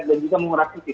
dan juga mengurangkiti